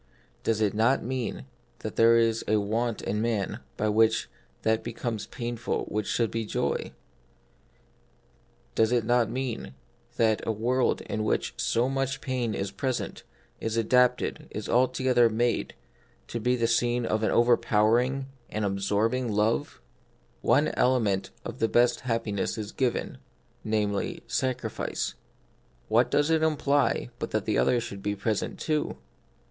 Does it not mean that there is a want in man by which that becomes painful which should be joy ? Does it not mean that a world in which so much of pain is present, is adapted — was altogether made — to be the scene of an overpowering, an absorbing love ? 38 The Mystery of Pain, One element of the best happiness is given, namely, sacrifice : what does it imply but that the other should be present too